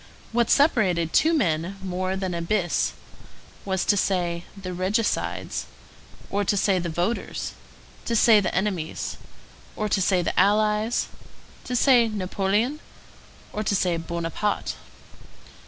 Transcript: What separated two men more than an abyss was to say, the regicides, or to say the voters; to say the enemies, or to say the allies; to say Napoleon, or to say Buonaparte.